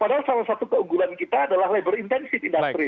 padahal salah satu keunggulan kita adalah labor intensive